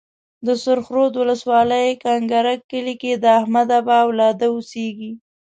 د سرخ رود ولسوالۍ کنکرک کلي کې د احمدآبا اولاده اوسيږي.